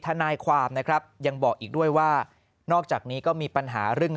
ทนายความนะครับยังบอกอีกด้วยว่านอกจากนี้ก็มีปัญหาเรื่อง